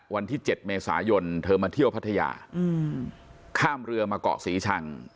วันที่๗เมษายนเธอมาเที่ยวพัทยาข้ามเรือมาเกาะศรีชัง